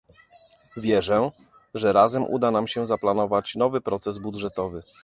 Wierzę, że razem uda nam się zaplanować nowy proces budżetowy